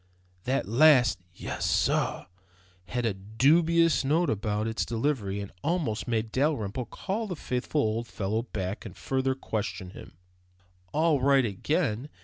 That last "Yes, sorr," had a dubious note about its delivery that almost made Dalrymple call the faithful old fellow back and further question him. "All right again?"